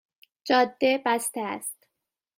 جاده بسته است